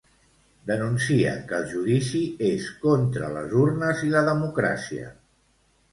Denuncien que el judici és contra les urnes i la democràcia.